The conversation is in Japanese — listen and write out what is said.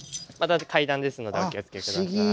階段ですのでお気を付け下さい。